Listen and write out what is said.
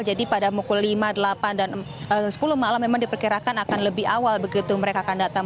jadi pada pukul lima delapan dan sepuluh malam memang diperkirakan akan lebih awal begitu mereka akan datang